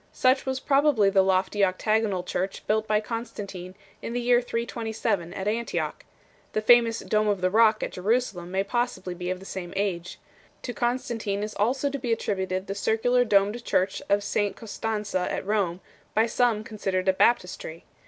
Such was probably the lofty octagonal church built by Constantine in the year 327 at Antioch 4 . The famous "Dome of the Hock" at Jerusalem may possibly be of the same age. To Constantine is also to be attributed the circular domed church of Sta. Costanza at Koine, by some considered a baptistery.